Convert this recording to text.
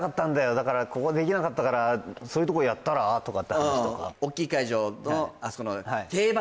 「だからここでできなかったからそういうとこでやったら？」とかって話とか大きい会場